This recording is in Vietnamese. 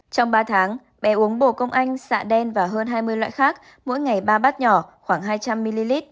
trong ba tháng bé uống bồ công anh xạ đen và hơn hai mươi loại khác mỗi ngày ba bát nhỏ khoảng hai trăm linh ml